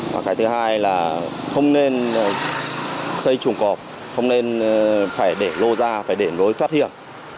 và cái thứ hai là không nên xây chuồng cọp không nên phải để lô ra phải để lối thoát hiểm